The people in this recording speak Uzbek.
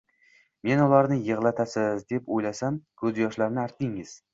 Men ularni yig'latasiz, deb o'ylasam ko'zyoshlarini artdingiz.